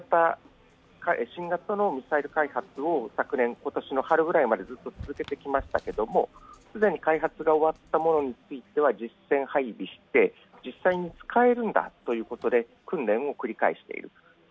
新型のミサイル開発を今年の春ぐらいまでずっと続けてきましたけれども、既に開発が終わったものについては実戦配備して、実際に使えるんだということで、訓練を繰り返している。